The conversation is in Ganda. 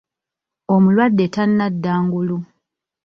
Omulwadde tanadda ngulu.